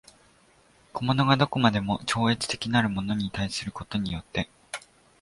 個物が何処までも超越的なるものに対することによって